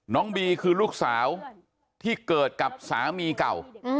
น้องบีคือลูกสาวที่เกิดกับสามีเก่า